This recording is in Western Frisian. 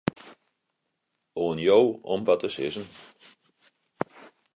Oan jo om wat te sizzen.